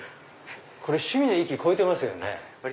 これ趣味の域超えてますよね。